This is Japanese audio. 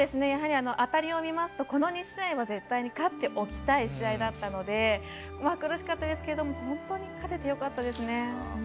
当たりを見てみますとこの２試合絶対に勝っておきたい試合だったので苦しかったですけど本当に勝ててよかったです。